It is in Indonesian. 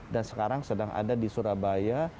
dan sekarang sedang ada di surabaya